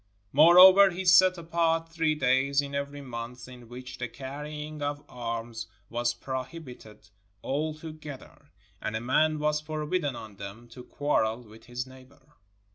Moreover, he set apart three days in every month in which the carrying of arms was prohib ited altogether, and a man was forbidden on them to quarrel with his neighbor.